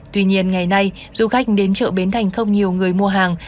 tuy nhiên ngày nay du khách đến chợ bến thành không nhiều người mua hàng